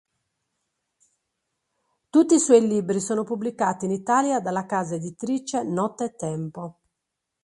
Tutti i suoi libri sono pubblicati in Italia dalla casa editrice Nottetempo.